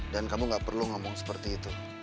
dan kamu gak perlu ngomong seperti itu